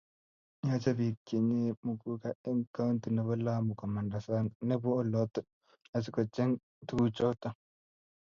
yochei biik chenyeei muguka eng kaunti nebo Lamu komanda sang nebo oloto asikocheny tukuchoto